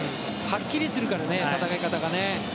はっきりするからね戦い方が。